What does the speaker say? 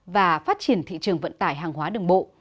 và phát triển thị trường vận tải hàng hóa đường bộ